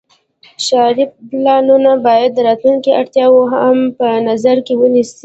ښاري پلانونه باید د راتلونکي اړتیاوې هم په نظر کې ونیسي.